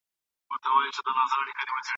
پكښي مي وليدې